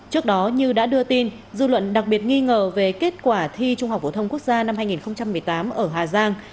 trước đó như đã đưa tin dư luận đặc biệt nghi ngờ về kết quả thi trung học phổ thông quốc gia năm hai nghìn một mươi tám ở hà giang